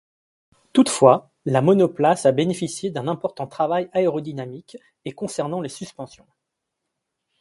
Toutefois, la monoplace a bénéficié d'un important travail aérodynamique et concernant les suspensions.